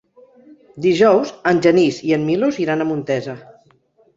Dijous en Genís i en Milos iran a Montesa.